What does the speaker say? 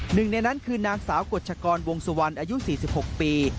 หนึ่งในนั้นคือนางสาวกฎชกรวงสุวรรณอายุ๔๖ปี